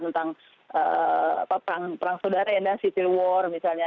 tentang perang saudara yang ada civil war misalnya